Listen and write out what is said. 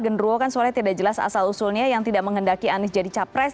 genruwo kan soalnya tidak jelas asal usulnya yang tidak menghendaki anies jadi capres